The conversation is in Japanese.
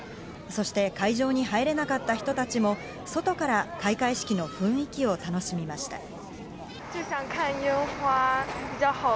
そして会場に入れなかった人たちも外から開会式の雰囲気を楽しみました。